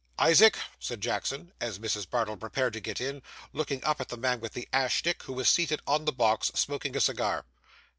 'Isaac,' said Jackson, as Mrs. Bardell prepared to get in, looking up at the man with the ash stick, who was seated on the box, smoking a cigar.